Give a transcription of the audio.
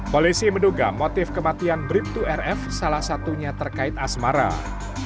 polisi menduga motif kematian brib dua rf salah satunya terkait asmarah